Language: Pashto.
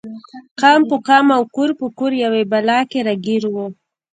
قام په قام او کور په کور یوې بلا کې راګیر و.